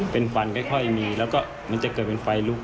เป็นควันค่อยมีแล้วก็มันจะเกิดเป็นไฟลุก